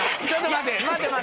待て待て。